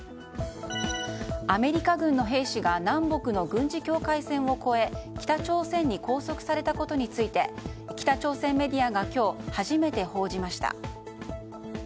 アメリカ軍の兵士が南北の軍事境界線を越え北朝鮮に拘束されたことについて北朝鮮メディアが今日初めて報じました。